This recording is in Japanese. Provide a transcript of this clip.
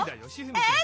えっ？